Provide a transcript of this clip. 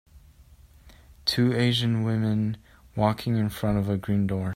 two Asian women walking in front of a green door